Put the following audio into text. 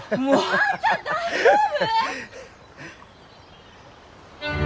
万ちゃん大丈夫！？